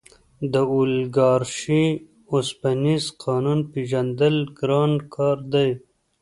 د اولیګارشۍ د اوسپنیز قانون پېژندل ګران کار دی.